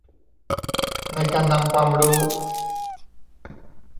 ในการนำความรู้